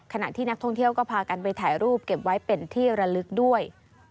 ขณะที่นักท่องเที่ยวก็พากันไปถ่ายรูปเก็บไว้เป็นที่ระลึกด้วย